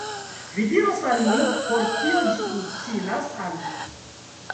Vi diros al mi, por kio ĝi utilas al vi.